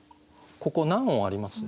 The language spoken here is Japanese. ここ何音あります？